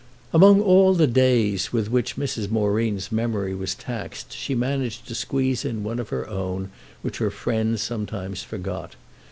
Among all the "days" with which Mrs. Moreen's memory was taxed she managed to squeeze in one of her own, which her friends sometimes forgot.